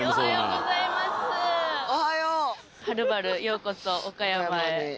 はるばるようこそ、岡山へ。